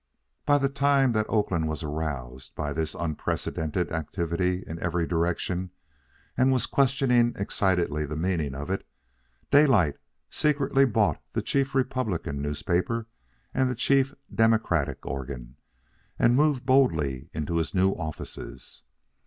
By the time that Oakland was aroused by this unprecedented activity in every direction and was questioning excitedly the meaning of it, Daylight secretly bought the chief Republican newspaper and the chief Democratic organ, and moved boldly into his new offices.